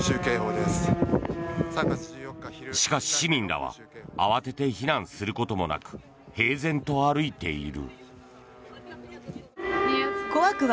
しかし市民らは慌てて避難することもなく平然と歩いている。